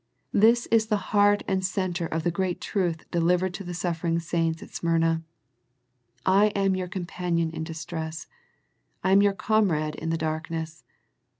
This is the heart and centre of the great truth delivered to the suffering saints at Smyrna. I am your com panion in distress. I am your comrade in the darkness.